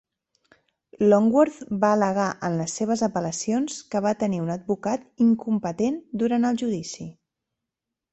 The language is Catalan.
Longworth va al·legar en les seves apel·lacions que va tenir un advocat incompetent durant el judici.